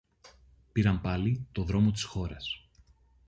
Πήραν πάλι το δρόμο της χώρας.